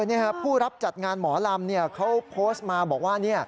นี่ครับผู้รับจัดงานหมอลำเขาโพสต์มาบอกว่า